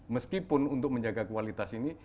meskipun untuk menjaga kualitas ini